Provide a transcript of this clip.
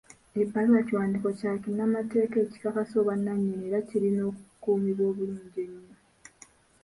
Ebbaluwa kiwandiiko kya kinnamateeka ekikakasa obwanannyini era kirina okukuumibwa obulungi ennyo.